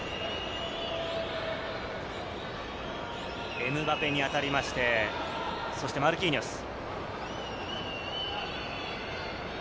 エムバペに当たりまして、そしてマルキーニョス。